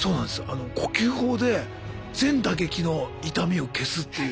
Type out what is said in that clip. あの呼吸法で全打撃の痛みを消すっていう。